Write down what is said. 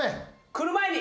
くる前に！